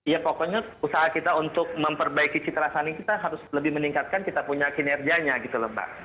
ya pokoknya usaha kita untuk memperbaiki citra sani kita harus lebih meningkatkan kita punya kinerjanya gitu loh mbak